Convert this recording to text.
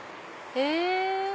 へぇ。